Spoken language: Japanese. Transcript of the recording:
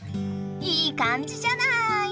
いい感じじゃない！